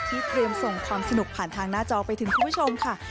เตรียมส่งความสนุกผ่านทางหน้าจอไปถึงคุณผู้ชมค่ะ